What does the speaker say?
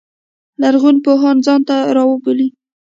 لرغون پوهان ځان ته رابولي.